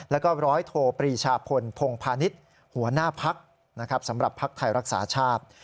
แล้วก็ร้อยโทปรีชาพลพงพาณิชย์หัวหน้าพักสำหรับภักดิ์ไทยรักษาชาติ